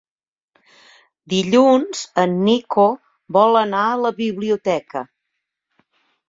Dilluns en Nico vol anar a la biblioteca.